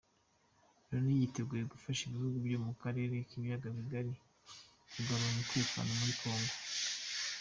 Loni yiteguye gufasha ibihugu byo mu karere k’ibiyaga bigari kugarura umutekano muri kongo